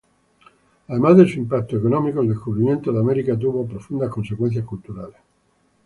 Además de su impacto económico, el descubrimiento de América tuvo profundas consecuencias culturales.